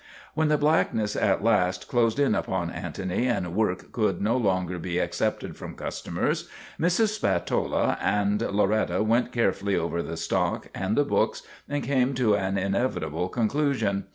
When the blackness at last closed in upon Antony and work could no longer be accepted from cus tomers, Mrs. Spatola and Loretta went carefully over the stock and the books and came to an inevi table conclusion.